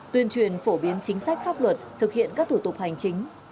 tuyên truyền phổ biến chính sách pháp luật thực hiện các thủ tục hành chính